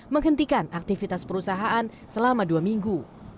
menghentikan aktivitas perusahaan selama dua minggu